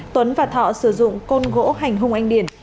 tuấn và thọ sử dụng côn gỗ hành hung anh điển